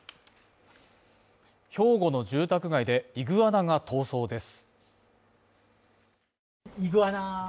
兵庫の住宅街で、イグアナが逃走です。